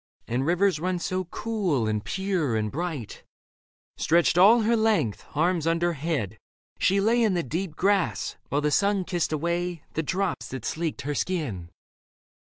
And rivers run so cool and pure and bright ... Stretched all her length, arms under head, she lay In the deep grass, while the sun kissed away The drops that sleeked her skin.